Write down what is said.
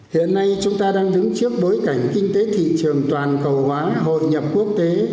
hiện nay chúng ta đang đứng trước bối cảnh kinh tế thị trường toàn cầu hóa hội nhập quốc tế